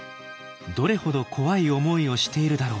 どれほど怖い思いをしているだろうか。